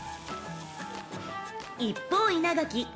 ［一方稲垣］